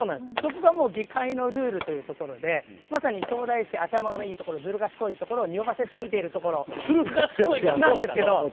そこが議会のルールというところでまさに東大生、頭のいいところずるがしこいところをにおわせすぎているところなんですけれど。